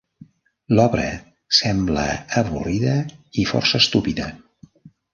L'obra sembla avorrida i força estúpida.